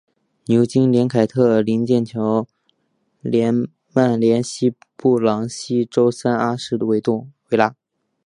牛津联凯特灵剑桥联曼联西布朗锡周三阿士东维拉